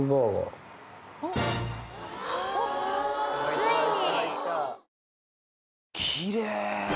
ついに！